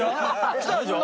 きたでしょ？